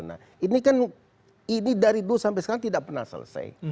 nah ini kan ini dari dulu sampai sekarang tidak pernah selesai